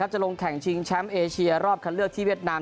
จะลงแข่งชิงแชมป์เอเชียรอบคันเลือกที่เวียดนาม